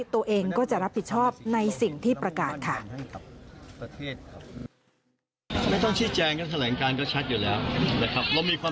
ตัวเองก็จะรับผิดชอบในสิ่งที่ประกาศค่ะ